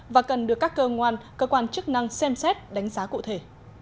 và cần được các cơ quan chức năng xem xét đánh giá cụ thể